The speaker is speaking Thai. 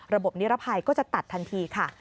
นิรภัยก็จะตัดทันทีค่ะ